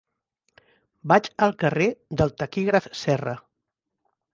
Vaig al carrer del Taquígraf Serra.